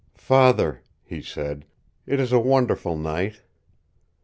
"Father," he said, "it is a wonderful night."